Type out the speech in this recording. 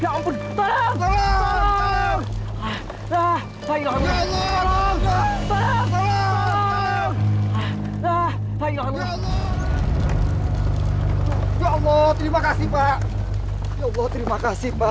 ya allah terima kasih pak